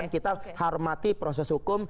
kita harmati proses hukum